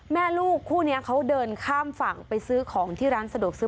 แม่ลูกคู่นี้เขาเดินข้ามฝั่งไปซื้อของที่ร้านสะดวกซื้อ